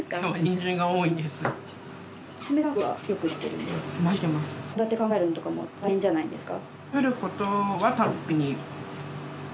献立考えるのとかも大変じゃないですか？